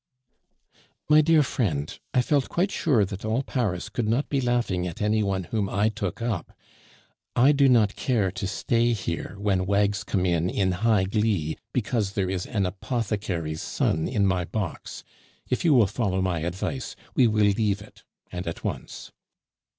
"My dear friend, I felt quite sure that all Paris could not be laughing at any one whom I took up. I do not care to stay here when wags come in in high glee because there is an apothecary's son in my box. If you will follow my advice, we will leave it, and at once."